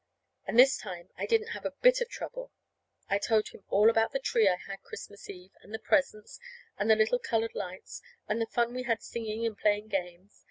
And this time I didn't have a bit of trouble. I told him all about the tree I had Christmas Eve, and the presents, and the little colored lights, and the fun we had singing and playing games.